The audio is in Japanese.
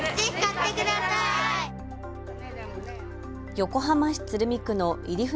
横浜市鶴見区の入船